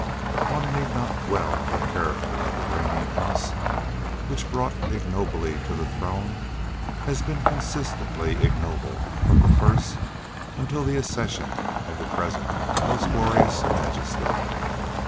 One need not dwell on the character of the reigning house, which, brought ignobly to the throne, has been consistently ignoble from the first until the accession of her present Most Gracious Majesty.